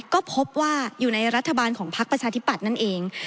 ก็พบว่าอยู่ในรัฐบาลของพักประชาธิปัตย์นั่นเอง